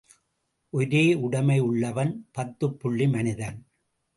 ஒரே உடைமை உள்ளவன் பத்துப்புள்ளி மனிதன்.